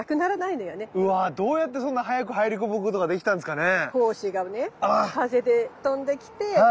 うわどうやってそんな早く入り込むことができたんですかね？